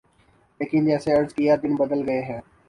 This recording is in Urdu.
لیکن جیسے عرض کیا دن بدل گئے ہیں۔